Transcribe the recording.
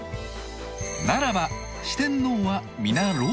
ならば四天王は皆老中？